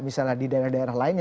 misalnya di daerah daerah lainnya